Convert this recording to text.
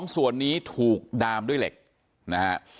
ส่วนนี้ถูกดามด้วยเหล็กนะฮะ